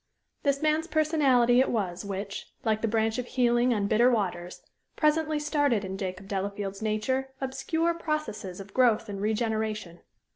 This man's personality it was which, like the branch of healing on bitter waters, presently started in Jacob Delafield's nature obscure processes of growth and regeneration.